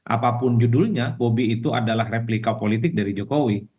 apapun judulnya bobi itu adalah replika politik dari jokowi